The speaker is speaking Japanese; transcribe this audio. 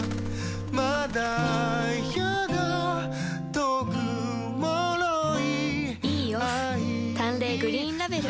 まだやだ遠く脆いいいオフ「淡麗グリーンラベル」